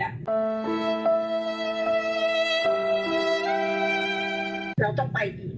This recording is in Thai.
เราต้องไปอีกไม่ช้าก็เร็วต้องไปพ่อได้ปรุงด้วยด้วย